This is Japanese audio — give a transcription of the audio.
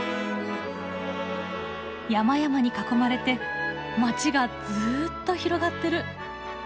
山々に囲まれて街がずっと広がってる。